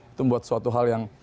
itu membuat suatu hal yang